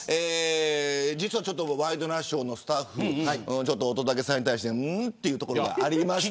実はワイドナショーのスタッフ乙武さんに対してうーんというところがありまして。